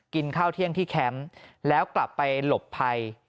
กินข้าวเที่ยงที่แคมป์แล้วกลับไปหลบภัย